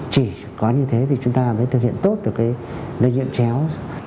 chỉ có như thế thì chúng ta mới thực hiện tốt được cái lợi nhiệm chéo